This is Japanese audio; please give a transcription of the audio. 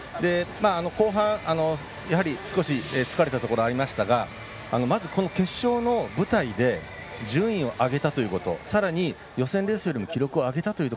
後半少し疲れたところがありましたがまず、この決勝の舞台で順位を上げたというところさらに予選レースよりも記録を上げたということ